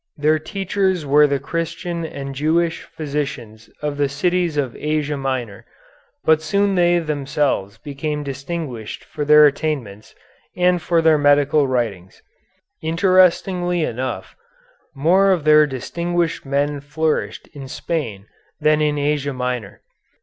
Their teachers were the Christian and Jewish physicians of the cities of Asia Minor, but soon they themselves became distinguished for their attainments, and for their medical writings. Interestingly enough, more of their distinguished men flourished in Spain than in Asia Minor.